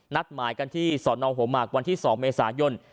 นัดหมายกันที่สนหัวหมากวันที่๒เมษายน